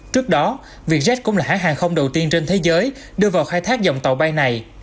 trước đó vietjet cũng là hãng hàng không đầu tiên trên thế giới đưa vào khai thác dòng tàu bay này